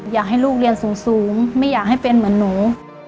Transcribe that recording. อยากให้ลูกเรียนสูงไม่อยากให้เป็นเหมือนหนู